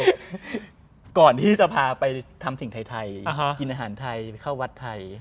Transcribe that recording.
ก่อนที่จะพาไปทำสิ่งไทยกินอาหารไทยเข้าวัดไทย